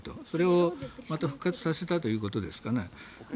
それをまた復活させたということですかね。